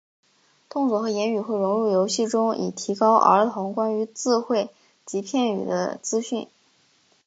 动作和言语会融入游戏中以提供儿童关于字汇及片语的资讯。